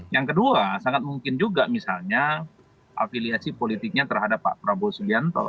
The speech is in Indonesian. yang kedua sangat mungkin juga misalnya afiliasi politiknya terhadap pak prabowo subianto